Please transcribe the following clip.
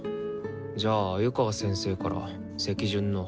じゃあ鮎川先生から席順の話も。